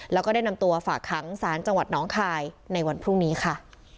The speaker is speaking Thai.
แล้วก็ได้นำตัวฝากขังสารจังหวัดน้องคายในวันพรุ่งนี้ค่ะ